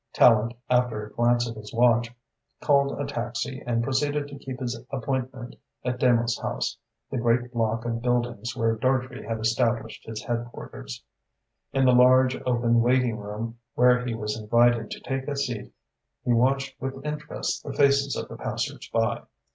Tallente, after a glance at his watch, called a taxi and proceeded to keep his appointment at Demos House, the great block of buildings where Dartrey had established his headquarters. In the large, open waiting room where he was invited to take a seat he watched with interest the faces of the passers by.